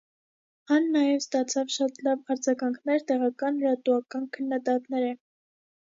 Ան նաեւ ստացաւ շատ լաւ արձագանքներ տեղական լրատուական քննադատներէ։